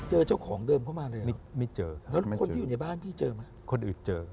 เจอเจ้าของเดิมเข้ามาเลยไม่เจอแล้วคนที่อยู่ในบ้านพี่เจอไหมคนอื่นเจอ